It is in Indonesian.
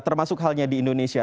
termasuk halnya di indonesia